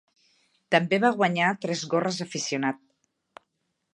També va guanyar tres gorres d'aficionat.